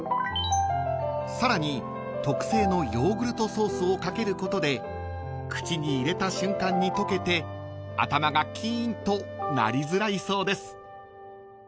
［さらに特製のヨーグルトソースを掛けることで口に入れた瞬間に溶けて頭がキーンとなりづらいそうです］